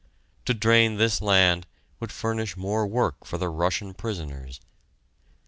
To drain this land would furnish more work for the Russian prisoners!